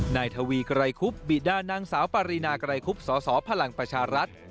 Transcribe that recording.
ในทวีกรายคุบบิด้านนางสาวปริณากรายคุบสสภรรรัฐ